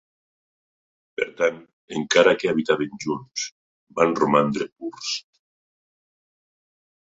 Per tant, encara que habitaven junts, van romandre "purs".